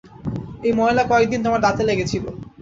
ওই ময়লা কয়েকদিন তোমার দাঁতে লেগেছিল।